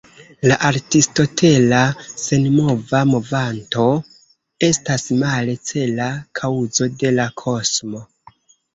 La aristotela senmova movanto estas, male, cela kaŭzo de la kosmo.